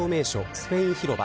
スペイン広場。